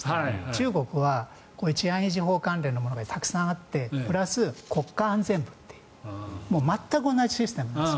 中国は治安維持法関連のものがたくさんあって国家安全部という全く同じシステムなんです。